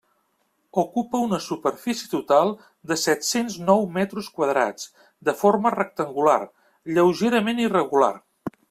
Ocupa una superfície total de set-cents nou metres quadrats, de forma rectangular, lleugerament irregular.